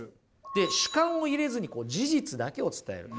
で主観を入れずに事実だけを伝える。